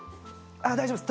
大丈夫です。